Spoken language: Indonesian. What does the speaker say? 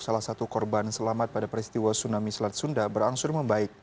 salah satu korban selamat pada peristiwa tsunami selat sunda berangsur membaik